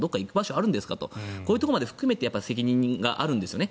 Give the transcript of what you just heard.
こういうところまで含めて責任があるんですよね。